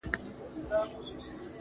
ستا د څوڼو ځنگلونه زمـا بــدن خـوري،